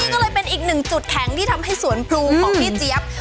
ก็เลยเป็นอีกหนึ่งจุดแข็งที่ทำให้สวนพลูของพี่เจี๊ยบ